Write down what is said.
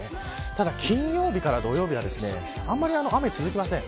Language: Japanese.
ただ金曜日から土曜日はあまり雨が続きません。